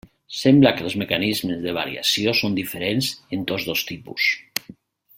Sembla que els mecanismes de variació són diferents en tots dos tipus.